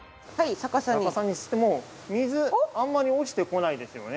逆さにしても水あんまり落ちてこないですよね。